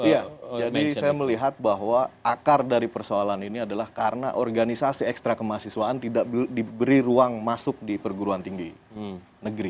iya jadi saya melihat bahwa akar dari persoalan ini adalah karena organisasi ekstra kemahasiswaan tidak diberi ruang masuk di perguruan tinggi negeri